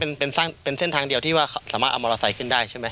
อเจมส์แล้วทางนี้เป็นเส้นทางเดียวที่สามารถเอามอเบอร์ไซค์ขึ้นได้ใช่ไหม